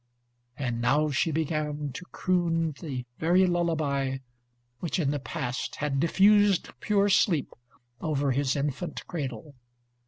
And now she began to croon the very lullaby which in the past had diffused pure sleep over his infant cradle.